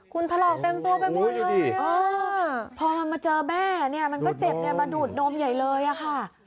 คุณถลอกเต็มตัวไปหมดเลยพอเรามาเจอแม่เนี่ยมันก็เจ็บมาดูดนมใหญ่เลยอะค่ะ